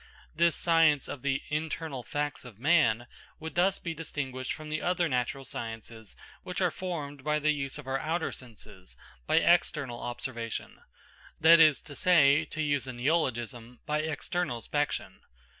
This science of the "internal facts of man" would thus be distinguished from the other natural sciences which are formed by the use of our outer senses, by external observation that is to say, to use a neologism, by externospection.